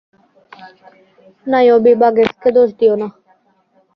নাইয়োবি, বাগসকে দোষ দিয়ো না।